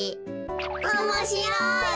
おもしろい。